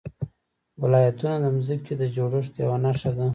ولایتونه د ځمکې د جوړښت یوه نښه ده.